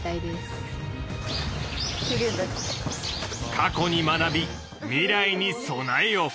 過去に学び未来に備えよ。